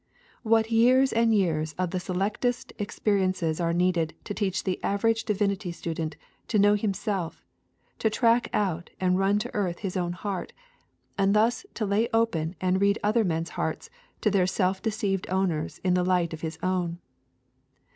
What years and years of the selectest experiences are needed to teach the average divinity student to know himself, to track out and run to earth his own heart, and thus to lay open and read other men's hearts to their self deceived owners in the light of his own.